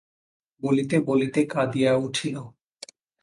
বলিতে বলিতে কাঁদিয়া উঠিল।